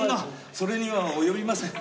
それには及びません。